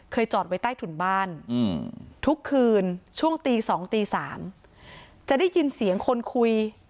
จอดไว้ใต้ถุนบ้านทุกคืนช่วงตี๒ตี๓จะได้ยินเสียงคนคุย